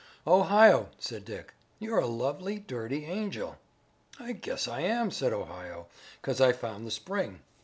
"Ohio," said Dick, "you're a lovely, dirty angel." "I guess I am," said Ohio, "'cause I found the spring.